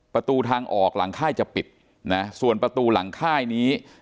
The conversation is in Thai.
ประตูทางออกหลังค่ายจะปิดนะส่วนประตูหลังค่ายนี้